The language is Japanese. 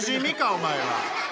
お前は。